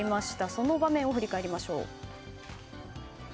その場面を振り返りましょう。